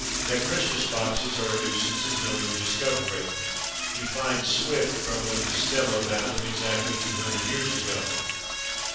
That Christmas boxes are a nuisance is no new discovery. We find Swift grumbling to Stella about them exactly two hundred years ago.